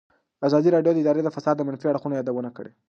ازادي راډیو د اداري فساد د منفي اړخونو یادونه کړې.